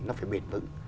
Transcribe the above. nó phải bền vững